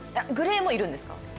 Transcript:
グレイもいるんですか？